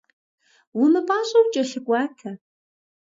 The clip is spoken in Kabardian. Умыпӏащӏэу кӏэлъыкӏуатэ.